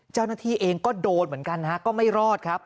เจ้าหน้าที่เองก็โดนเหมือนกันฮะก็ไม่รอดครับ